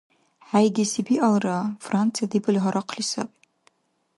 ХӀейгеси биалра, Франция дебали гьарахъли саби.